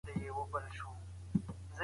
د ښار میشته ژوند څه ځانګړتیاوې لري؟